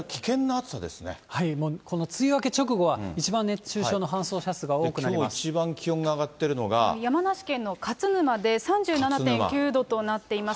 もうこの梅雨明け直後は一番きょう一番気温が上がってい山梨県の勝沼で３７．９度となっています。